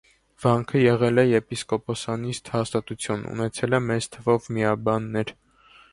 Վանքը եղել է եպիսկոպոսանիստ հաստատություն, ունեցել է մեծ թվով միաբաններ։